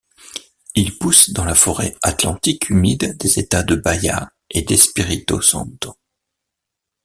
Il pousse dans la forêt atlantique humide des États de Bahia et d'Espírito Santo.